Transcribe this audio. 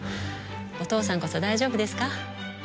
お父さんこそ大丈夫ですか？